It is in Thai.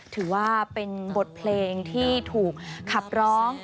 ถือว่าเป็นบทเพลงที่ถูกขับร้อง